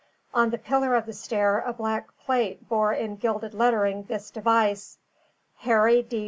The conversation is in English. On the pillar of the stair a black plate bore in gilded lettering this device: "Harry D.